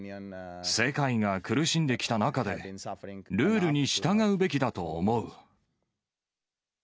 世界が苦しんできた中で、ルールに従うべきだと思う。